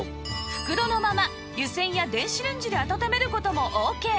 袋のまま湯せんや電子レンジで温める事もオーケー